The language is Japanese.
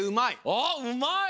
あっうまい！